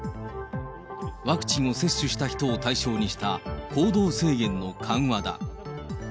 ワクチンを接種した人を対象にした、行動制限の緩和だ。